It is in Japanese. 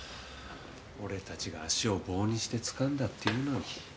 俺たちが足を棒にしてつかんだっていうのに。